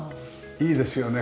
いいですよね。